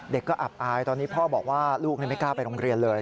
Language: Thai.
เด็กก็อับอายตอนนี้พ่อบอกว่าลูกไม่กล้าไปโรงเรียนเลย